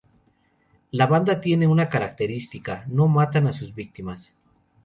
La banda tiene una característica, no matan a sus víctimas.